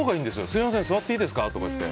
すみません座っていいですかって。